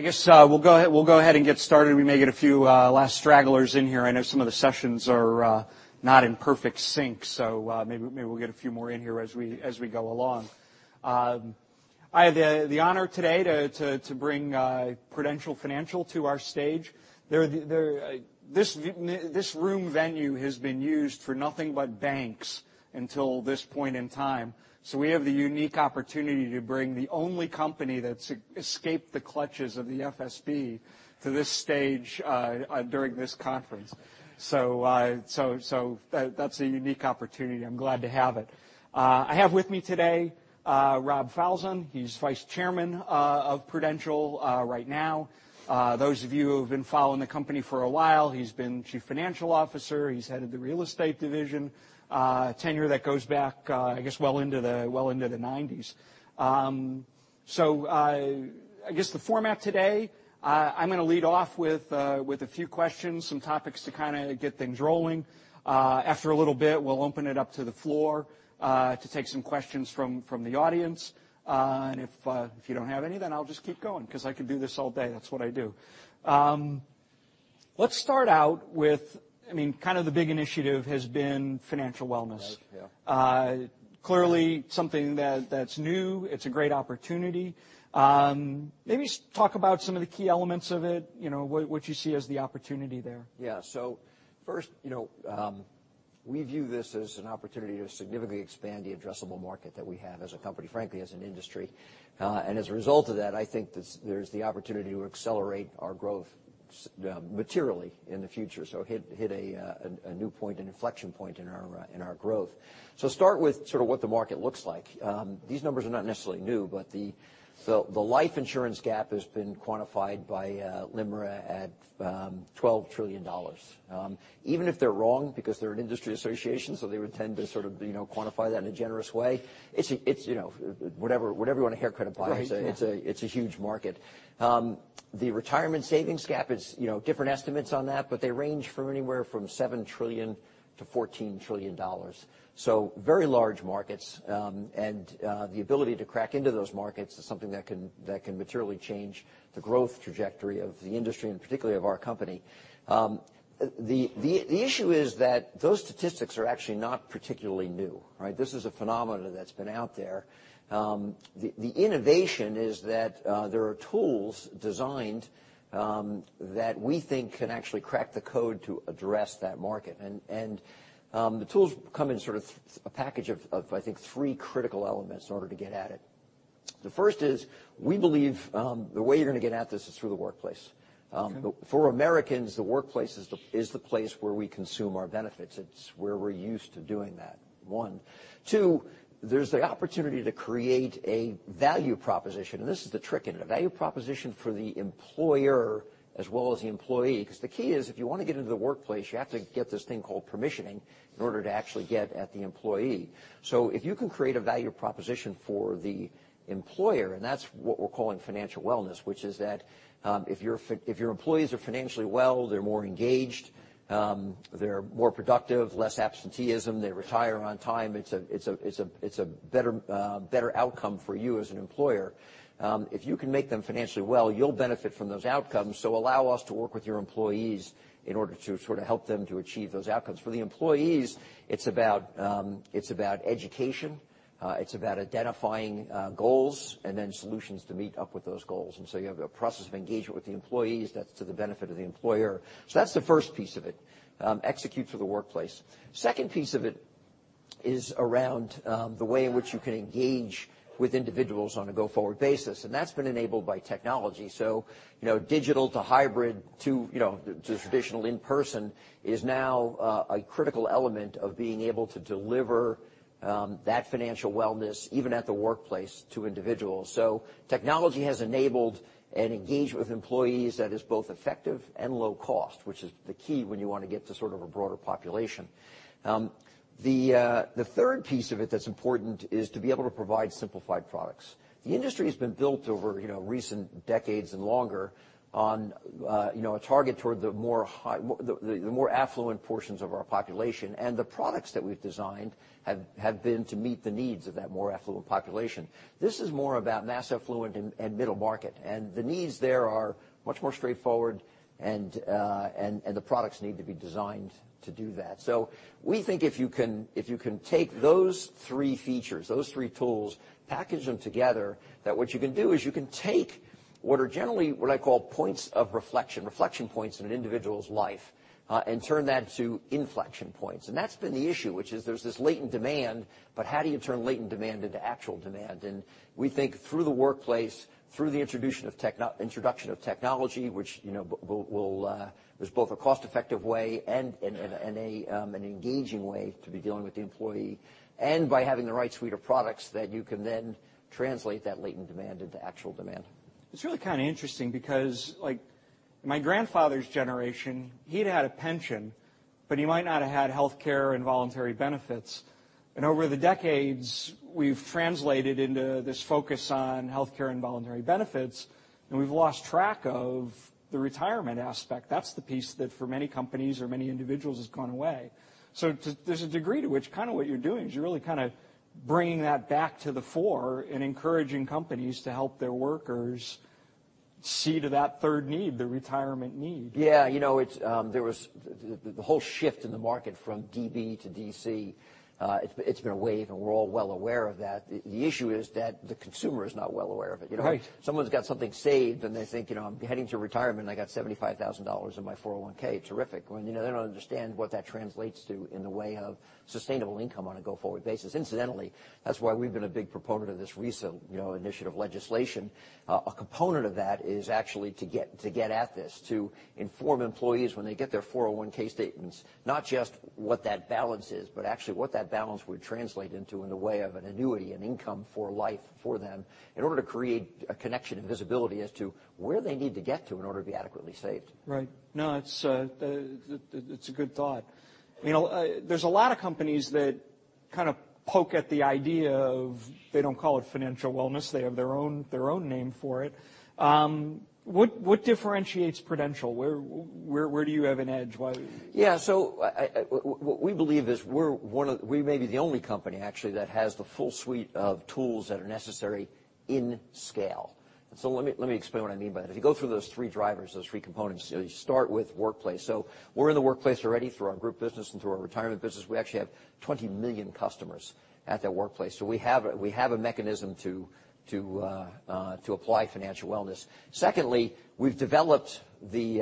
I guess we'll go ahead and get started. We may get a few last stragglers in here. I know some of the sessions are not in perfect sync, maybe we'll get a few more in here as we go along. I have the honor today to bring Prudential Financial to our stage. This room venue has been used for nothing but banks until this point in time. We have the unique opportunity to bring the only company that's escaped the clutches of the FSB to this stage during this conference. That's a unique opportunity. I'm glad to have it. I have with me today Rob Falzon. He's Vice Chairman of Prudential right now. Those of you who have been following the company for a while, he's been Chief Financial Officer, he's head of the real estate division, tenure that goes back, I guess, well into the '90s. I guess the format today, I'm going to lead off with a few questions, some topics to kind of get things rolling. After a little bit, we'll open it up to the floor to take some questions from the audience. If you don't have any, then I'll just keep going because I could do this all day. That's what I do. Let's start out with kind of the big initiative has been financial wellness. Right. Yeah. Clearly something that's new. It's a great opportunity. Maybe talk about some of the key elements of it, what you see as the opportunity there. Yeah. First we view this as an opportunity to significantly expand the addressable market that we have as a company, frankly, as an industry. As a result of that, I think there's the opportunity to accelerate our growth materially in the future. Hit a new point, an inflection point in our growth. Start with sort of what the market looks like. These numbers are not necessarily new, but the life insurance gap has been quantified by LIMRA at $12 trillion. Even if they're wrong, because they're an industry association, they would tend to sort of quantify that in a generous way, it's whatever you want to haircut by- Right. Yeah it's a huge market. The retirement savings gap is, different estimates on that, but they range from anywhere from $7 trillion to $14 trillion. Very large markets. The ability to crack into those markets is something that can materially change the growth trajectory of the industry, and particularly of our company. The issue is that those statistics are actually not particularly new, right? This is a phenomena that's been out there. The innovation is that there are tools designed that we think can actually crack the code to address that market. The tools come in sort of a package of, I think, three critical elements in order to get at it. The first is, we believe the way you're going to get at this is through the workplace. Okay. For Americans, the workplace is the place where we consume our benefits. It's where we're used to doing that, one. Two, there's the opportunity to create a value proposition, and this is the trick in it, a value proposition for the employer as well as the employee. The key is, if you want to get into the workplace, you have to get this thing called permissioning in order to actually get at the employee. If you can create a value proposition for the employer, and that's what we're calling financial wellness, which is that if your employees are financially well, they're more engaged, they're more productive, less absenteeism, they retire on time. It's a better outcome for you as an employer. If you can make them financially well, you'll benefit from those outcomes. Allow us to work with your employees in order to sort of help them to achieve those outcomes. For the employees, it's about education. It's about identifying goals and then solutions to meet up with those goals. You have a process of engagement with the employees that's to the benefit of the employer. That's the first piece of it. Execute through the workplace. Second piece of it is around the way in which you can engage with individuals on a go-forward basis. That's been enabled by technology. Digital to hybrid to traditional in-person is now a critical element of being able to deliver that financial wellness, even at the workplace, to individuals. Technology has enabled an engagement with employees that is both effective and low cost, which is the key when you want to get to sort of a broader population. The third piece of it that's important is to be able to provide simplified products. The industry has been built over recent decades and longer on a target toward the more affluent portions of our population, and the products that we've designed have been to meet the needs of that more affluent population. This is more about mass affluent and middle market, and the needs there are much more straightforward and the products need to be designed to do that. We think if you can take those three features, those three tools, package them together, that what you can do is you can take what are generally what I call points of reflection points in an individual's life, and turn that to inflection points. That's been the issue, which is there's this latent demand, but how do you turn latent demand into actual demand? We think through the workplace, through the introduction of technology, which is both a cost-effective way and an engaging way to be dealing with the employee, and by having the right suite of products that you can then translate that latent demand into actual demand. It's really kind of interesting because my grandfather's generation, he'd had a pension, but he might not have had healthcare and voluntary benefits. Over the decades, we've translated into this focus on healthcare and voluntary benefits, and we've lost track of the retirement aspect. That's the piece that for many companies or many individuals has gone away. There's a degree to which kind of what you're doing is you're really bringing that back to the fore and encouraging companies to help their workers see to that third need, the retirement need. Yeah. There was the whole shift in the market from DB to DC. It's been a wave, and we're all well aware of that. The issue is that the consumer is not well aware of it. Right. Someone's got something saved and they think, "I'm heading to retirement, and I got $75,000 in my 401, terrific." When they don't understand what that translates to in the way of sustainable income on a go-forward basis. Incidentally, that's why we've been a big proponent of this recent SECURE Act. A component of that is actually to get at this, to inform employees when they get their 401 statements, not just what that balance is, but actually what that balance would translate into in the way of an annuity and income for life for them in order to create a connection and visibility as to where they need to get to in order to be adequately saved. Right. No, it's a good thought. There's a lot of companies that kind of poke at the idea of, they don't call it financial wellness, they have their own name for it. What differentiates Prudential? Where do you have an edge? Why? Yeah. What we believe is we may be the only company actually that has the full suite of tools that are necessary in scale. Let me explain what I mean by that. If you go through those three drivers, those three components, you start with workplace. We're in the workplace already through our group business and through our retirement business. We actually have $20 million customers at that workplace. We have a mechanism to apply financial wellness. Secondly, we've developed the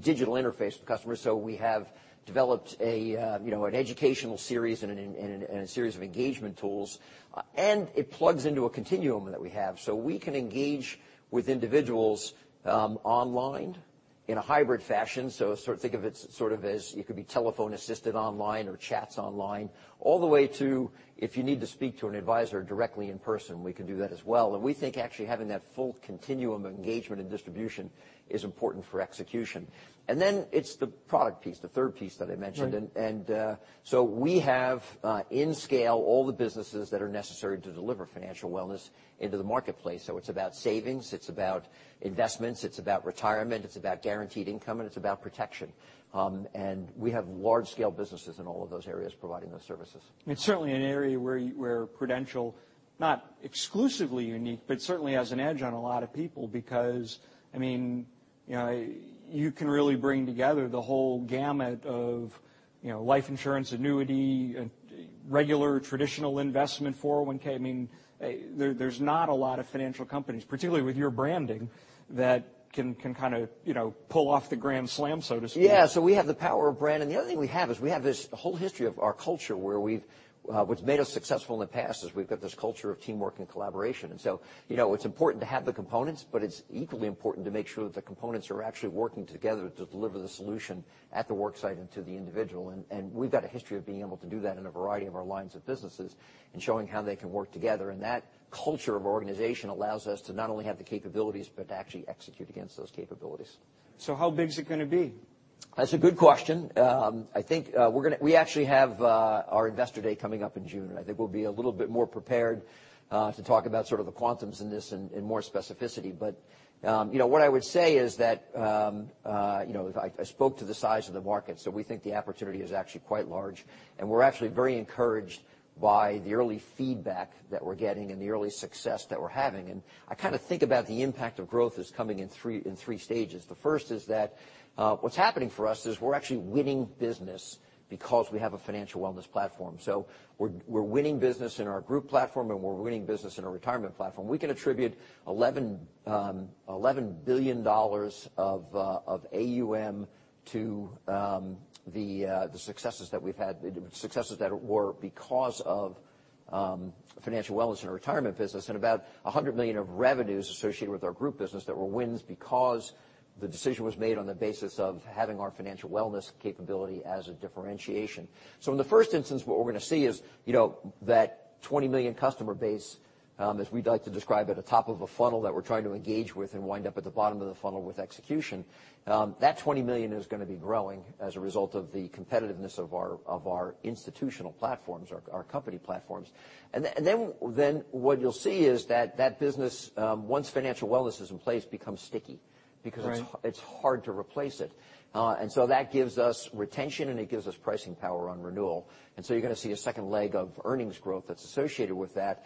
digital interface for customers. We have developed an educational series and a series of engagement tools. It plugs into a continuum that we have. We can engage with individuals online in a hybrid fashion. think of it sort of as it could be telephone assisted online or chats online, all the way to if you need to speak to an advisor directly in person, we can do that as well. We think actually having that full continuum engagement and distribution is important for execution. It's the product piece, the third piece that I mentioned. Right. We have, in scale, all the businesses that are necessary to deliver financial wellness into the marketplace. It's about savings, it's about investments, it's about retirement, it's about guaranteed income, and it's about protection. We have large-scale businesses in all of those areas providing those services. It's certainly an area where Prudential, not exclusively unique, but certainly has an edge on a lot of people because you can really bring together the whole gamut of life insurance annuity, regular traditional investment 401(k). There's not a lot of financial companies, particularly with your branding, that can kind of pull off the grand slam, so to speak. Yeah. We have the power of brand. The other thing we have is we have this whole history of our culture, what's made us successful in the past is we've got this culture of teamwork and collaboration. It's important to have the components, but it's equally important to make sure that the components are actually working together to deliver the solution at the work site and to the individual. We've got a history of being able to do that in a variety of our lines of businesses and showing how they can work together. That culture of organization allows us to not only have the capabilities but to actually execute against those capabilities. How big is it going to be? That's a good question. We actually have our investor day coming up in June. I think we'll be a little bit more prepared to talk about sort of the quantums in this in more specificity. What I would say is that I spoke to the size of the market. We think the opportunity is actually quite large, and we're actually very encouraged by the early feedback that we're getting and the early success that we're having. I kind of think about the impact of growth as coming in 3 stages. The first is that what's happening for us is we're actually winning business because we have a financial wellness platform. We're winning business in our group platform, and we're winning business in our retirement platform. We can attribute $11 billion of AUM to the successes that we've had, successes that were because of financial wellness in our retirement business and about $100 million of revenues associated with our group business that were wins because the decision was made on the basis of having our financial wellness capability as a differentiation. In the first instance, what we're going to see is that 20 million customer base, as we like to describe it, a top of a funnel that we're trying to engage with and wind up at the bottom of the funnel with execution. That 20 million is going to be growing as a result of the competitiveness of our institutional platforms, our company platforms. What you'll see is that that business, once financial wellness is in place, becomes sticky because. Right It's hard to replace it. That gives us retention, and it gives us pricing power on renewal. You're going to see a second leg of earnings growth that's associated with that.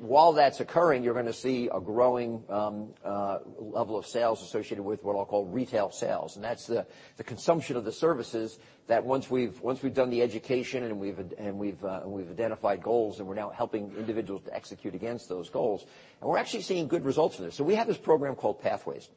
While that's occurring, you're going to see a growing level of sales associated with what I'll call retail sales. That's the consumption of the services that once we've done the education and we've identified goals and we're now helping individuals to execute against those goals. We're actually seeing good results from this. We have this program called Pathways,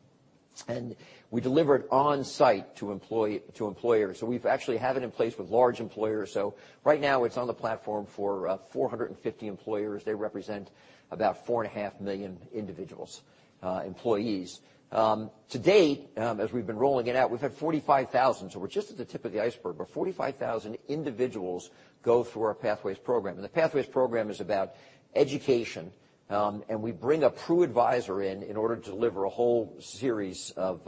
and we deliver it on-site to employers. We actually have it in place with large employers. Right now it's on the platform for 450 employers. They represent about four and a half million individuals, employees. To date, as we've been rolling it out, we've had 45,000. We're just at the tip of the iceberg. 45,000 individuals go through our Pathways program. The Pathways program is about education. We bring a Prudential Advisors in in order to deliver a whole series of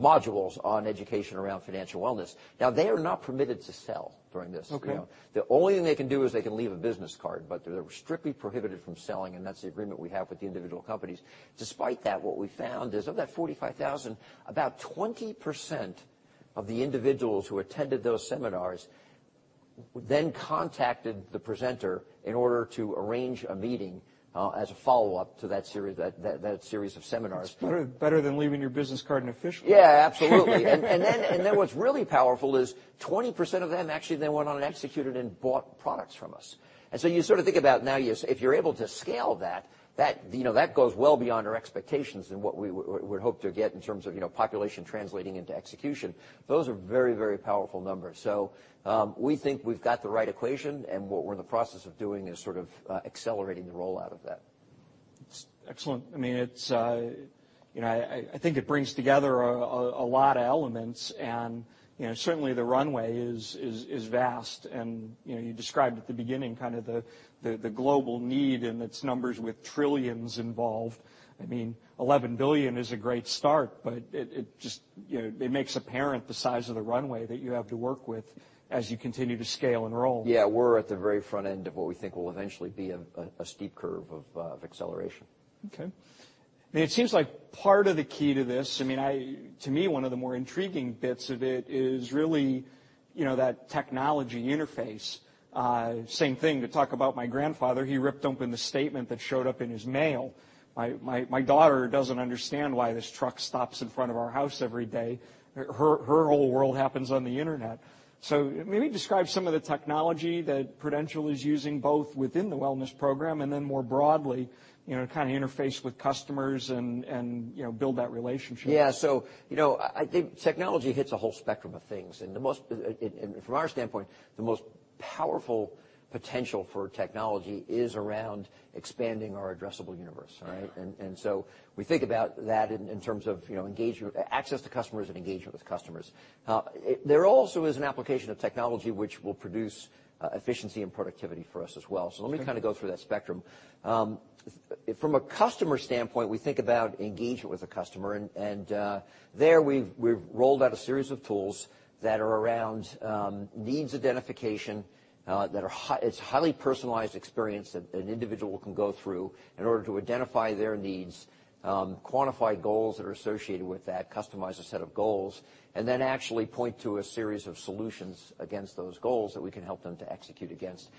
modules on education around financial wellness. They are not permitted to sell during this. Okay. The only thing they can do is they can leave a business card, but they're strictly prohibited from selling, and that's the agreement we have with the individual companies. Despite that, what we found is of that 45,000, about 20% of the individuals who attended those seminars, then contacted the presenter in order to arrange a meeting as a follow-up to that series of seminars. It's better than leaving your business card in a fish bowl. Yeah, absolutely. What's really powerful is 20% of them actually then went on and executed and bought products from us. You sort of think about now if you're able to scale that goes well beyond our expectations in what we would hope to get in terms of population translating into execution. Those are very, very powerful numbers. We think we've got the right equation and what we're in the process of doing is sort of accelerating the rollout of that. Excellent. I think it brings together a lot of elements and certainly the runway is vast and you described at the beginning kind of the global need and its numbers with trillions involved. I mean, $11 billion is a great start, but it makes apparent the size of the runway that you have to work with as you continue to scale and roll. Yeah. We're at the very front end of what we think will eventually be a steep curve of acceleration. Okay. I mean, it seems like part of the key to this, to me, one of the more intriguing bits of it is really that technology interface. Same thing to talk about my grandfather, he ripped open the statement that showed up in his mail. My daughter doesn't understand why this truck stops in front of our house every day. Her whole world happens on the internet. Maybe describe some of the technology that Prudential is using, both within the wellness program and then more broadly, kind of interface with customers and build that relationship. Yeah. I think technology hits a whole spectrum of things. From our standpoint, the most powerful potential for technology is around expanding our addressable universe, right? We think about that in terms of access to customers and engagement with customers. There also is an application of technology which will produce efficiency and productivity for us as well. Let me kind of go through that spectrum. From a customer standpoint, we think about engagement with the customer, and there we've rolled out a series of tools that are around needs identification, it's highly personalized experience that an individual can go through in order to identify their needs, quantify goals that are associated with that, customize a set of goals, and then actually point to a series of solutions against those goals that we can help them to execute against.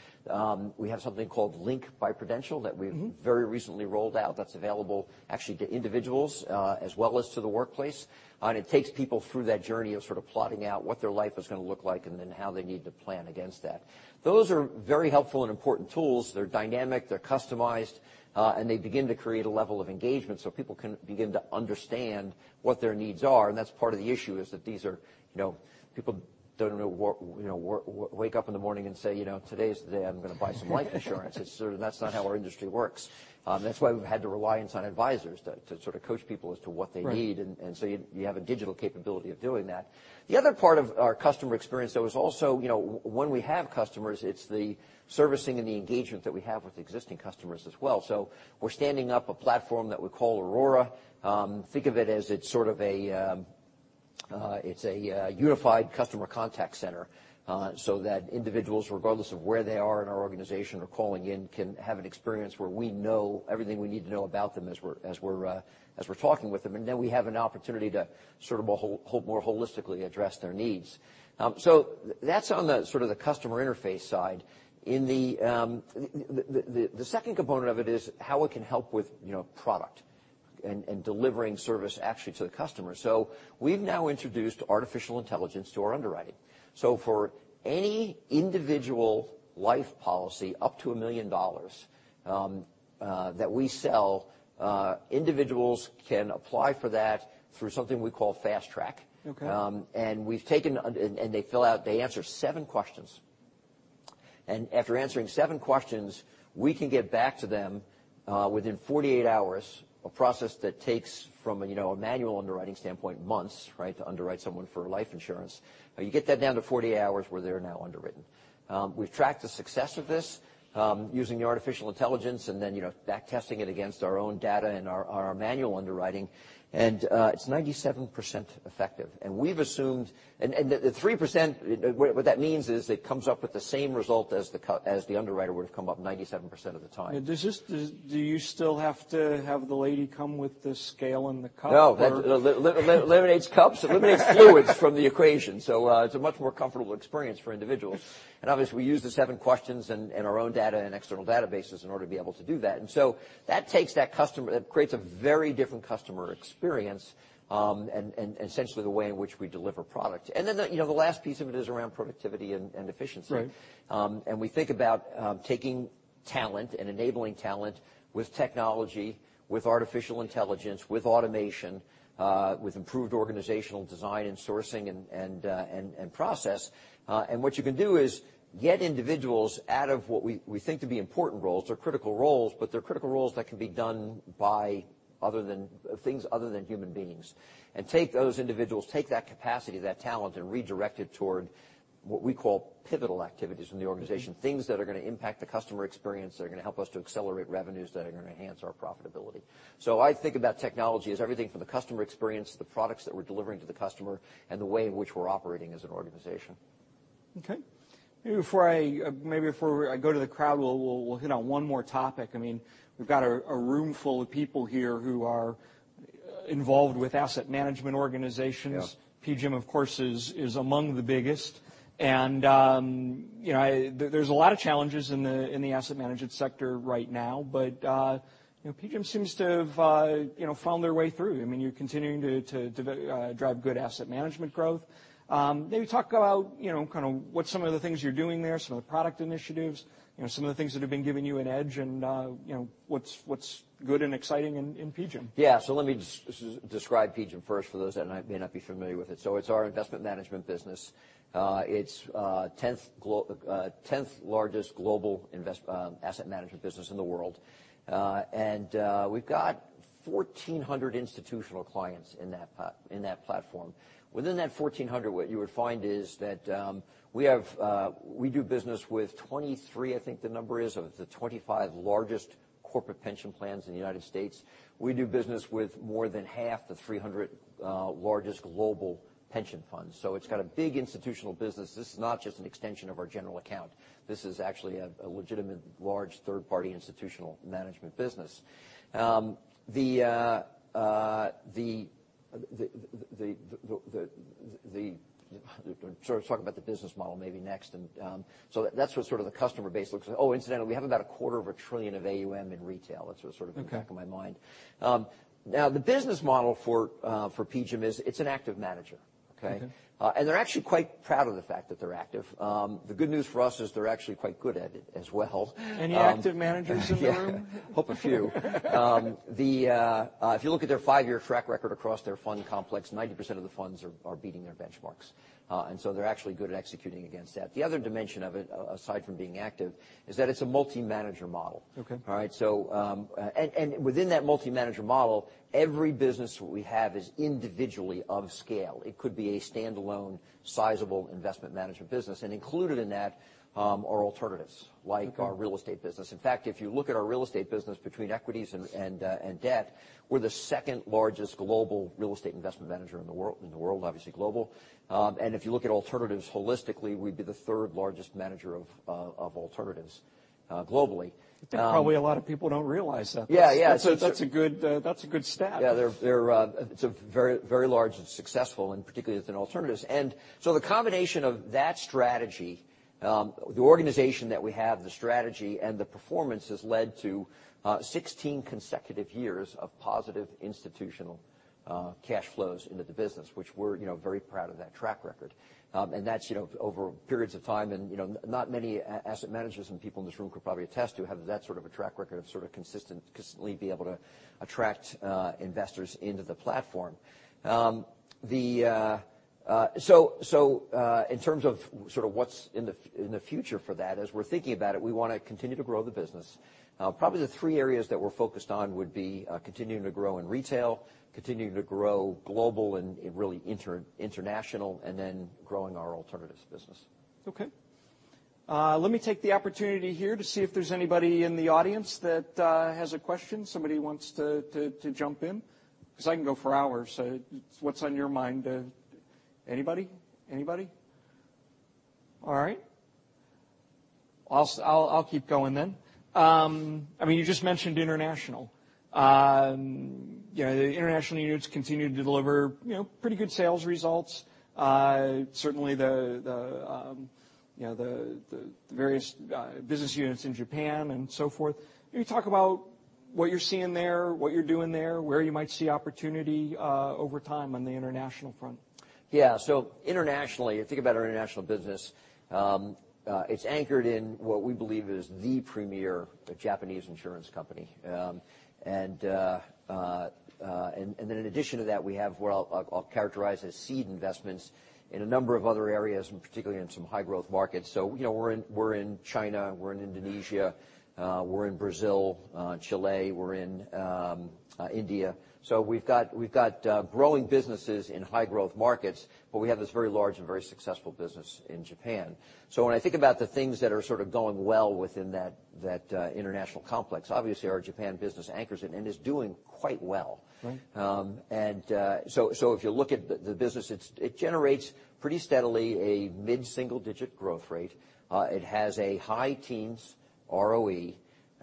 We have something called Link by Prudential that we've very recently rolled out that's available actually to individuals, as well as to the workplace. It takes people through that journey of sort of plotting out what their life is going to look like, and then how they need to plan against that. Those are very helpful and important tools. They're dynamic, they're customized, and they begin to create a level of engagement so people can begin to understand what their needs are. That's part of the issue, is that people don't wake up in the morning and say, "Today's the day I'm going to buy some life insurance." That's not how our industry works. That's why we've had to rely on Prudential Advisors to sort of coach people as to what they need. Right. You have a digital capability of doing that. The other part of our customer experience though is also when we have customers, it's the servicing and the engagement that we have with existing customers as well. We're standing up a platform that we call Aurora. Think of it as it's sort of a unified customer contact center, so that individuals, regardless of where they are in our organization, are calling in, can have an experience where we know everything we need to know about them as we're talking with them. Then we have an opportunity to sort of more holistically address their needs. That's on the sort of the customer interface side. The second component of it is how it can help with product and delivering service actually to the customer. We've now introduced artificial intelligence to our underwriting. For any individual life policy up to $1 million that we sell, individuals can apply for that through something we call Fast Track. Okay. They answer seven questions. After answering seven questions, we can get back to them within 48 hours, a process that takes from a manual underwriting standpoint, months, right? To underwrite someone for life insurance. You get that down to 48 hours where they're now underwritten. We've tracked the success of this, using the artificial intelligence and then back testing it against our own data and our manual underwriting, and it's 97% effective. The 3%, what that means is it comes up with the same result as the underwriter would've come up 97% of the time. Do you still have to have the lady come with the scale and the cup? No. Eliminates cups. Eliminates fluids from the equation. It's a much more comfortable experience for individuals. Obviously we use the seven questions and our own data and external databases in order to be able to do that. That creates a very different customer experience, and essentially the way in which we deliver product. The last piece of it is around productivity and efficiency. Right. We think about taking talent and enabling talent with technology, with artificial intelligence, with automation, with improved organizational design and sourcing and process. What you can do is get individuals out of what we think to be important roles. They're critical roles, but they're critical roles that can be done by things other than human beings. Take those individuals, take that capacity, that talent, and redirect it toward what we call pivotal activities in the organization, things that are going to impact the customer experience, that are going to help us to accelerate revenues, that are going to enhance our profitability. I think about technology as everything from the customer experience to the products that we're delivering to the customer, and the way in which we're operating as an organization. Okay. Maybe before I go to the crowd, we'll hit on one more topic. We've got a room full of people here who are involved with asset management organizations. Yeah. PGIM, of course, is among the biggest. There's a lot of challenges in the asset management sector right now, but PGIM seems to have found their way through. You're continuing to drive good asset management growth. Maybe talk about what some of the things you're doing there, some of the product initiatives, some of the things that have been giving you an edge and what's good and exciting in PGIM. Yeah. Let me just describe PGIM first for those that may not be familiar with it. It's our investment management business. It's 10th largest global asset management business in the world. We've got 1,400 institutional clients in that platform. Within that 1,400, what you would find is that we do business with 23, I think the number is, of the 25 largest corporate pension plans in the U.S. We do business with more than half the 300 largest global pension funds. It's got a big institutional business. This is not just an extension of our general account. This is actually a legitimate large third-party institutional management business. I was talking about the business model maybe next, that's what sort of the customer base looks like. Oh, incidentally, we have about a quarter of a trillion of AUM in retail. That's just sort of. Okay in the back of my mind. The business model for PGIM is it's an active manager, okay? Okay. They're actually quite proud of the fact that they're active. The good news for us is they're actually quite good at it as well. Any active managers in the room? Yeah. Hope a few. If you look at their five-year track record across their fund complex, 90% of the funds are beating their benchmarks. They're actually good at executing against that. The other dimension of it, aside from being active, is that it's a multi-manager model. Okay. All right. Within that multi-manager model, every business we have is individually of scale. It could be a standalone sizable investment management business, and included in that are alternatives. Okay like our real estate business. In fact, if you look at our real estate business between equities and debt, we're the second-largest global real estate investment manager in the world, obviously global. If you look at alternatives holistically, we'd be the third-largest manager of alternatives globally. I think probably a lot of people don't realize that. Yeah. That's a good stat. Yeah. It's very large and successful, and particularly within alternatives. The combination of that strategy, the organization that we have, the strategy, and the performance has led to 16 consecutive years of positive institutional cash flows into the business, which we're very proud of that track record. That's over periods of time, and not many asset managers and people in this room could probably attest to have that sort of a track record of sort of consistently be able to attract investors into the platform. In terms of sort of what's in the future for that, as we're thinking about it, we want to continue to grow the business. Probably the three areas that we're focused on would be continuing to grow in retail, continuing to grow global and really international, and then growing our alternatives business. Okay. Let me take the opportunity here to see if there's anybody in the audience that has a question, somebody who wants to jump in, because I can go for hours. So what's on your mind? Anybody? All right. I'll keep going then. You just mentioned international. The international units continue to deliver pretty good sales results. Certainly the various business units in Japan and so forth. Can you talk about what you're seeing there, what you're doing there, where you might see opportunity over time on the international front? Yeah. Internationally, if you think about our international business, it's anchored in what we believe is the premier Japanese insurance company. In addition to that, we have what I'll characterize as seed investments in a number of other areas, and particularly in some high-growth markets. We're in China, we're in Indonesia, we're in Brazil, Chile, we're in India. We've got growing businesses in high-growth markets, but we have this very large and very successful business in Japan. When I think about the things that are sort of going well within that international complex, obviously our Japan business anchors it and is doing quite well. Right. If you look at the business, it generates pretty steadily a mid-single-digit growth rate. It has a high teens ROE,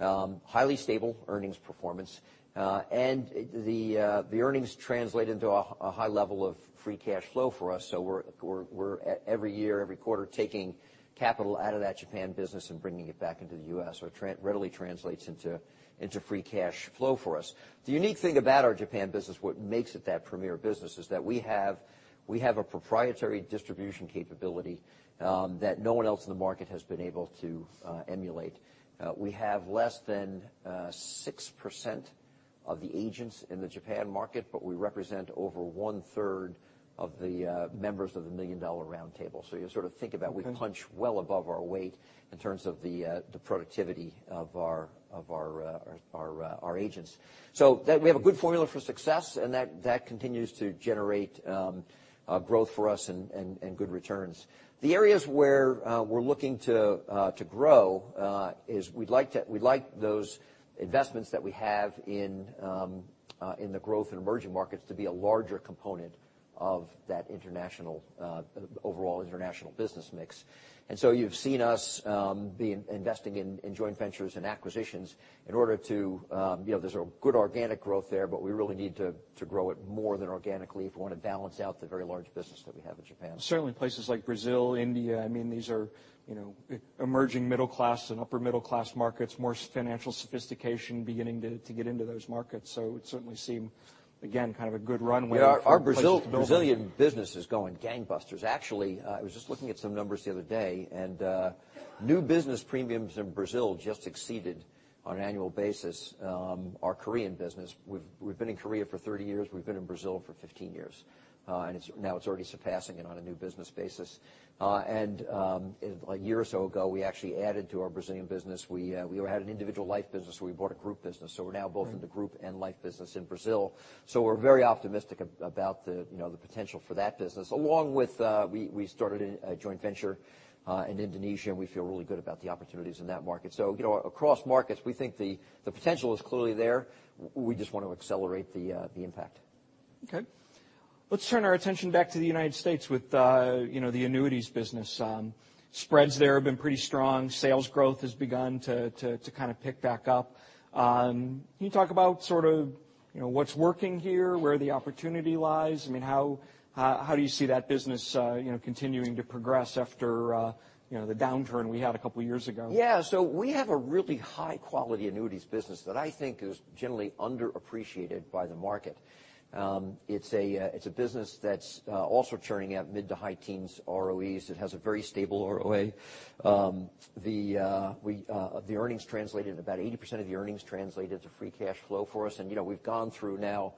highly stable earnings performance, and the earnings translate into a high level of free cash flow for us. We're every year, every quarter, taking capital out of that Japan business and bringing it back into the U.S. It readily translates into free cash flow for us. The unique thing about our Japan business, what makes it that premier business, is that we have a proprietary distribution capability that no one else in the market has been able to emulate. We have less than 6% of the agents in the Japan market, but we represent over one-third of the members of the Million Dollar Round Table. You sort of think about we punch well above our weight in terms of the productivity of our agents. We have a good formula for success, and that continues to generate growth for us and good returns. The areas where we're looking to grow is we'd like those investments that we have in the growth and emerging markets to be a larger component of that overall international business mix. You've seen us be investing in joint ventures and acquisitions. There's a good organic growth there, but we really need to grow it more than organically if we want to balance out the very large business that we have in Japan. Certainly, places like Brazil, India, these are emerging middle class and upper middle class markets, more financial sophistication beginning to get into those markets. It certainly seem, again, kind of a good runway. Yeah. Our Brazilian business is going gangbusters. Actually, I was just looking at some numbers the other day, new business premiums in Brazil just exceeded on an annual basis our Korean business. We've been in Korea for 30 years, we've been in Brazil for 15 years. Now it's already surpassing it on a new business basis. A year or so ago, we actually added to our Brazilian business. We had an individual life business where we bought a group business. We're now both in the group and life business in Brazil. We're very optimistic about the potential for that business. Along with we started a joint venture in Indonesia, and we feel really good about the opportunities in that market. Across markets, we think the potential is clearly there. We just want to accelerate the impact. Okay. Let's turn our attention back to the United States with the annuities business. Spreads there have been pretty strong. Sales growth has begun to kind of pick back up. Can you talk about sort of what's working here, where the opportunity lies? How do you see that business continuing to progress after the downturn we had a couple of years ago? Yeah. We have a really high quality annuities business that I think is generally underappreciated by the market. It's a business that's also churning out mid to high teens ROEs. It has a very stable ROA. About 80% of the earnings translated to free cash flow for us. We've gone through now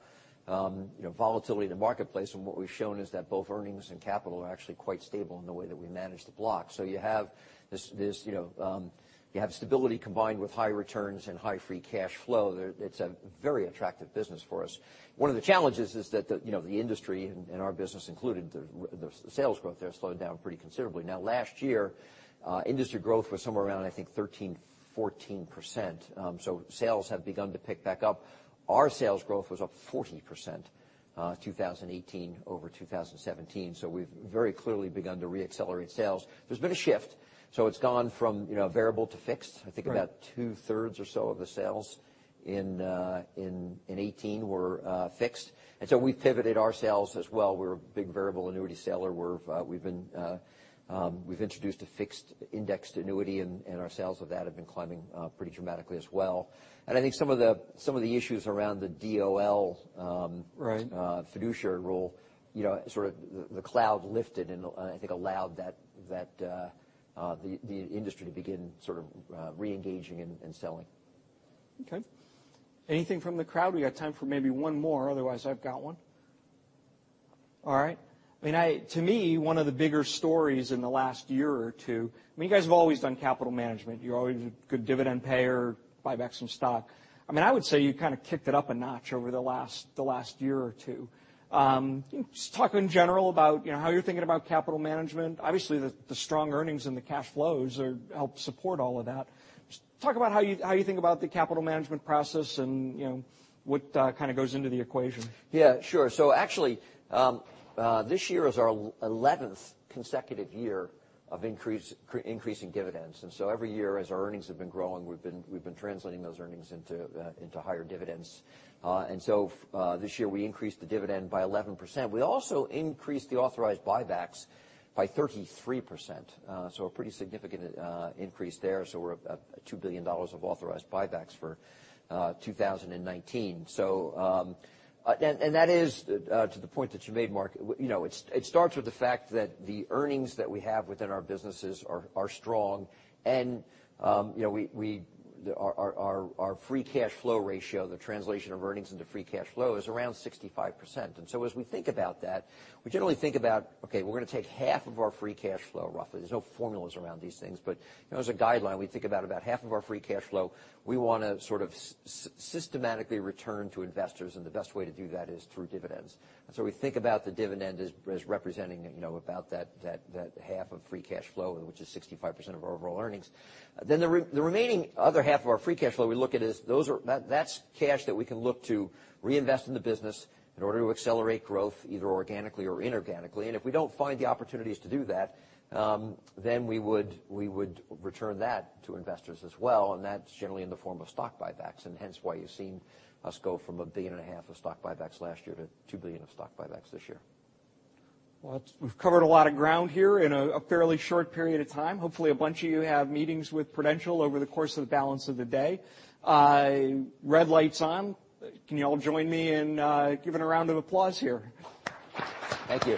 volatility in the marketplace, and what we've shown is that both earnings and capital are actually quite stable in the way that we manage the block. You have stability combined with high returns and high free cash flow. It's a very attractive business for us. One of the challenges is that the industry and our business included, the sales growth there slowed down pretty considerably. Now last year, industry growth was somewhere around, I think, 13%, 14%. Sales have begun to pick back up. Our sales growth was up 40% 2018 over 2017. We've very clearly begun to re-accelerate sales. There's been a shift. It's gone from variable to fixed. Right. I think about two-thirds or so of the sales in 2018 were fixed. We pivoted our sales as well. We're a big variable annuity seller. We've introduced a fixed indexed annuity, and our sales of that have been climbing pretty dramatically as well. I think some of the issues around the DOL Right fiduciary rule, sort of the cloud lifted and I think allowed the industry to begin sort of re-engaging and selling. Okay. Anything from the crowd? We got time for maybe one more, otherwise, I've got one. All right. To me, one of the bigger stories in the last year or two, you guys have always done capital management. You're always a good dividend payer, buy back some stock. I would say you kind of kicked it up a notch over the last year or two. Just talk in general about how you're thinking about capital management. Obviously, the strong earnings and the cash flows help support all of that. Just talk about how you think about the capital management process and what kind of goes into the equation. Yeah, sure. Actually, this year is our 11th consecutive year of increasing dividends. Every year, as our earnings have been growing, we've been translating those earnings into higher dividends. This year we increased the dividend by 11%. We also increased the authorized buybacks by 33%, a pretty significant increase there. We're at $2 billion of authorized buybacks for 2019. That is to the point that you made, Mark, it starts with the fact that the earnings that we have within our businesses are strong. Our free cash flow ratio, the translation of earnings into free cash flow is around 65%. As we think about that, we generally think about, okay, we're going to take half of our free cash flow roughly. There's no formulas around these things. As a guideline, we think about half of our free cash flow, we want to sort of systematically return to investors, and the best way to do that is through dividends. We think about the dividend as representing about that half of free cash flow, which is 65% of our overall earnings. The remaining other half of our free cash flow we look at is that's cash that we can look to reinvest in the business in order to accelerate growth, either organically or inorganically. If we don't find the opportunities to do that, we would return that to investors as well, and that's generally in the form of stock buybacks. Hence why you've seen us go from a billion and a half of stock buybacks last year to $2 billion of stock buybacks this year. Well, we've covered a lot of ground here in a fairly short period of time. Hopefully, a bunch of you have meetings with Prudential over the course of the balance of the day. Red light's on. Can you all join me in giving a round of applause here? Thank you